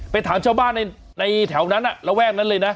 ถามชาวบ้านในแถวนั้นระแวกนั้นเลยนะ